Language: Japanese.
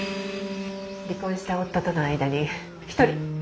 離婚した夫との間に１人。